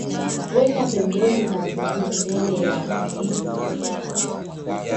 Weka pembeni matembele yako